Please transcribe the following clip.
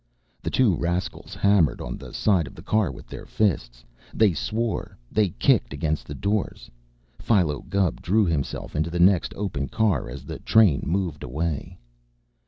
The two rascals hammered on the side of the car with their fists. They swore. They kicked against the doors. Philo Gubb drew himself into the next open car as the train moved away.